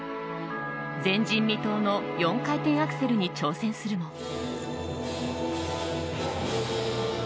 前人未到の４回転アクセルに挑戦するも。